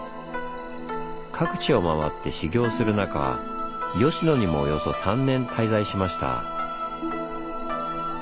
各地を回って修行する中吉野にもおよそ３年滞在しました。